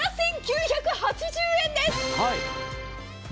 ７９８０円です！